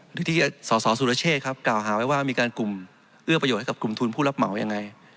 หรือที่สสสุรเชษครับกล่าวหาไว้ว่ามีการกลุ่มเอื้อประโยชน์ให้กับกลุ่มทุนผู้รับเหมายังไง